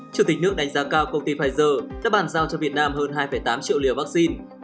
chủ tịch nước đánh giá cao công ty pfizer đã bàn giao cho việt nam hơn hai tám triệu liều vaccine